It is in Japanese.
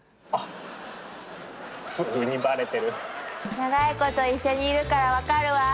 長いこと一緒にいるから分かるわ。